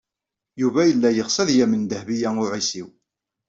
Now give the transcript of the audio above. Yuba yella yeɣs ad yamen Dehbiya u Ɛisiw.